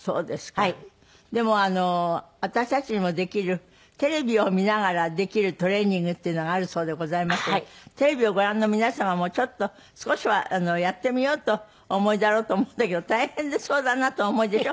でも私たちにもできるテレビを見ながらできるトレーニングっていうのがあるそうでございますがテレビをご覧の皆様も少しはやってみようとお思いだろうと思うんだけど大変そうだなとお思いでしょ。